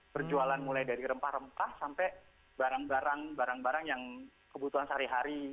berjualan mulai dari rempah rempah sampai barang barang barang yang kebutuhan sehari hari